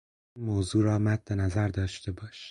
این موضوع را مد نظر داشته باش